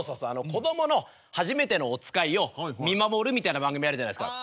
子供の初めてのお使いを見守るみたいな番組あるじゃないですか。